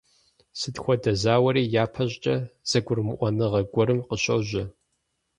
Сыт хуэдэ зауэри япэ щӀыкӀэ зэгурымыӀуэныгъэ гуэрым къыщожьэ.